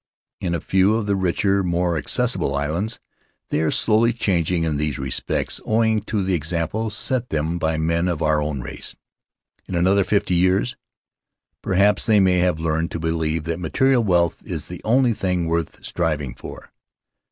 In a few of the richer, more accessible islands they are slowly changing in these respects, owing to the example set them by men of our own race. In another fifty years, perhaps, they may have learned to believe that material wealth is the only thing worth striving for.